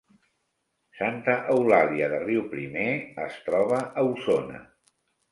Santa Eulàlia de Riuprimer es troba a Osona